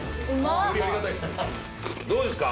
どうですか？